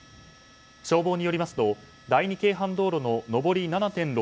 消防によりますと第二京阪道路の上り７．６